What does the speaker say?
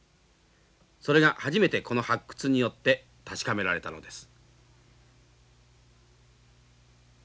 それが初めてこの発掘によって確かめられたのです。